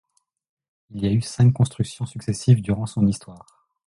Il y a eu cinq constructions successives durant son histoire.